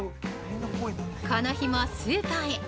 ◆この日も、スーパーへ。